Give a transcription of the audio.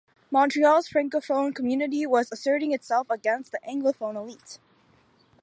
Montreal's francophone community was asserting itself against the anglophone elite.